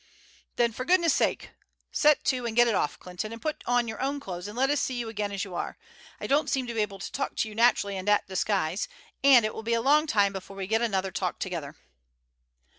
"Then for goodness' sake set to and get it off, Clinton, and put on your own clothes and let us see you again as you are. I don't seem to be able to talk to you naturally in that disguise, and it will be a long time before we get another talk together."